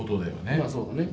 まあそうだね。